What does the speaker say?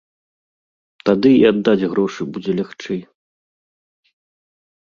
Тады і аддаць грошы будзе лягчэй.